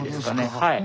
はい。